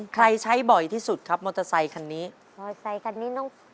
ใครใช้บ่อยที่สุดครับมอเตอร์ไซค์คันนี้มอเตอร์ไซค์คันนี้น้อง